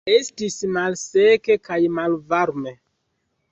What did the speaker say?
Estis malseke kaj malvarme.